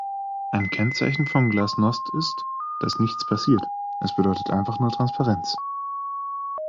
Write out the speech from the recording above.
Ein Kennzeichen von Glasnost ist, dass nichts passiert, es bedeutet einfach nur Transparenz.